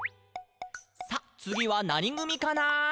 「さあ、つぎはなにぐみかな？」